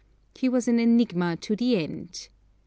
He was an enigma to the end.